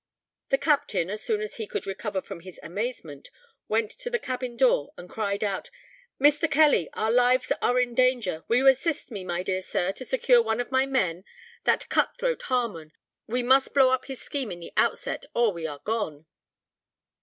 The captain, as soon as he could recover from his amazement, went to the cabin door and cried out, "Mr. Kelly, our lives are in danger will you assist me, my dear sir, to secure one of my men, that cut throat Harmon. We must blow up this scheme in the outset, or we are gone."